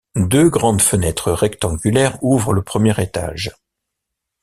Deux grandes fenêtres rectangulaires ouvrent le premier étage.